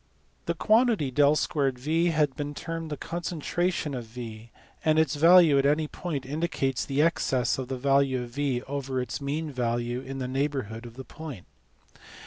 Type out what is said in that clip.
The quantity V 2 F has been termed the concentration of F, and its value at any point indicates the excess of the value of V there over its mean value in the neighbourhood of the point.